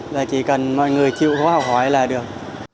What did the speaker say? và chỉ cần mọi người chịu hóa học hóa là được